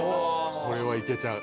これはいけちゃう？